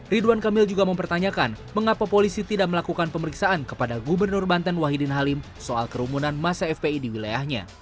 ridwan kamil juga mempertanyakan mengapa polisi tidak melakukan pemeriksaan kepada gubernur banten wahidin halim soal kerumunan masa fpi di wilayahnya